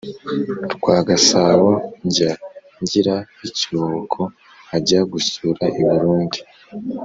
rwagasabo njya ngira ikiruhuko nkajya gusura i burundi